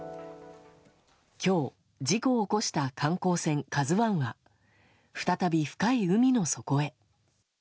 今日、事故を起こした観光船「ＫＡＺＵ１」は再び深い海の底へ。